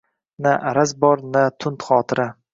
Na araz bor, na tund xotira.